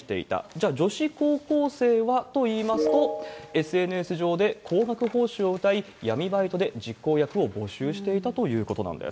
じゃあ、女子高校生はといいますと、ＳＮＳ上で高額報酬をうたい、闇バイトで実行役を募集していたということなんです。